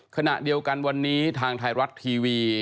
ขณะเดียวกันวันนี้ทางไทยรัฐทีวี